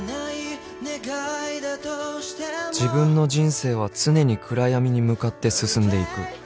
［自分の人生は常に暗闇に向かって進んでいく］